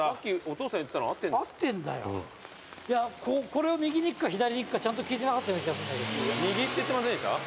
これを右に行くか左に行くかちゃんと聞いてなかったような気がするんだけど。